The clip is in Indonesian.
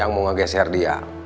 apakah kau ada suara